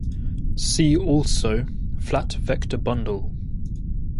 See also: flat vector bundle.